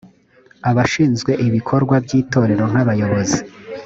abashinzwe ibikorwa by itorero nk abayobozi